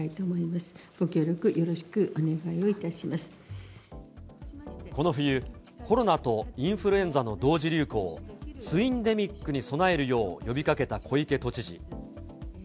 まこの冬、コロナとインフルエンザの同時流行、ツインデミックに備えるよう呼びかけた小池都知事。